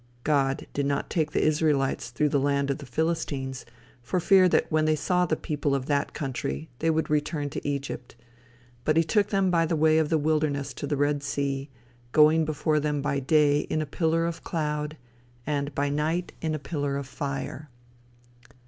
God did not take the Israelites through the land of the Philistines, for fear that when they saw the people of that country they would return to Egypt, but he took them by the way of the wilderness to the Red Sea, going before them by day in a pillar of cloud, and by night, in a pillar of fire.